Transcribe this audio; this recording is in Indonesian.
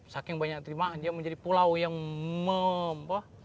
saking banyak timah menjadi pulau yang mempah